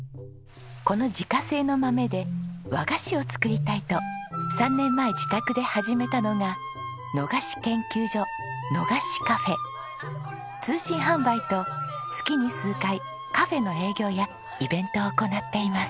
この自家製の豆で和菓子を作りたいと３年前自宅で始めたのが通信販売と月に数回カフェの営業やイベントを行っています。